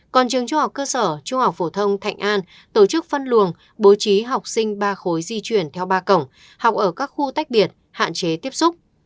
còn trường trung học cơ sở trung học phổ thông thạnh an tổ chức phân luồng bố trí học sinh ba khối di chuyển theo ba cổng học ở các khu tách biệt hạn chế tiếp xúc